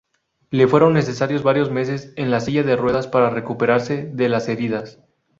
Le fueron necesarios varios meses en silla de ruedas para recuperarse de las heridas.